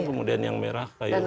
kemudian yang merah kayu